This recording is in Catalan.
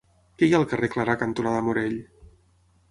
Què hi ha al carrer Clarà cantonada Morell?